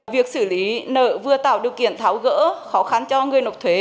việc xử lý nợ vừa tạo điều kiện tháo gỡ khó khăn cho người nộp thuế